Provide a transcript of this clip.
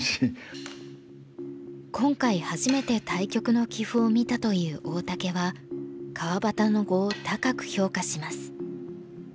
今回初めて対局の棋譜を見たという大竹は川端の碁を高く評価します。